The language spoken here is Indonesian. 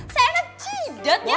seenak jidat ya